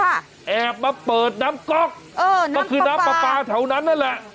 แอบมาเปิดน้ำก๊อกเออนั่นก็คือน้ำปลาปลาแถวนั้นนั่นแหละ